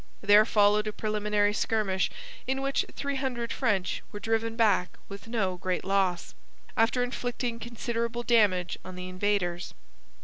There followed a preliminary skirmish in which three hundred French were driven back with no great loss, after inflicting considerable damage on the invaders.